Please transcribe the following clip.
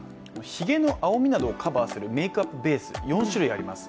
ひげの青みなどをカバーするメイクアップベースは４種類もあります。